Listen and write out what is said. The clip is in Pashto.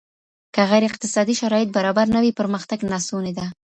که غير اقتصادي شرايط برابر نه وي پرمختګ ناسونی دی.